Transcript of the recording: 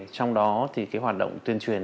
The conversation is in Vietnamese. trong đó thì cái hoạt động tuyên truyền